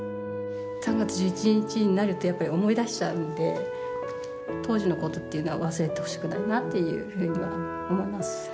３月１１日になると思い出しちゃうんで、当時のことっていうのは忘れてほしくないなとは思います。